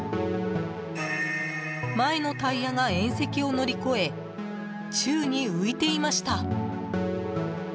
前のタイヤが縁石を乗り越え宙に浮いていました。